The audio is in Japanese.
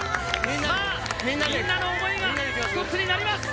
さあ、みんなの想いが一つになります。